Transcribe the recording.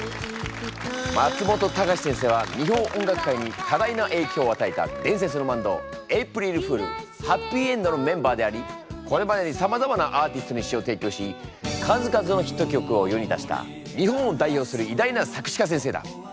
松本隆先生は日本音楽界に多大なえいきょうをあたえた伝説のバンドエイプリルフールはっぴいえんどのメンバーでありこれまでにさまざまなアーティストに詞をていきょうし数々のヒット曲を世に出した日本を代表する偉大な作詞家先生だ！